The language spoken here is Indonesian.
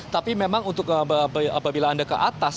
tapi memang untuk apabila anda ke atas